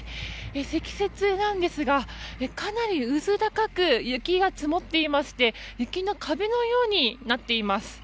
積雪なんですがかなりうず高く雪が積もっていまして雪の壁のようになっています。